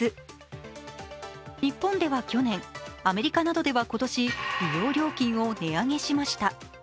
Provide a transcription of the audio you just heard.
日本では去年、アメリカなどでは今年、利用料金を値上げしました。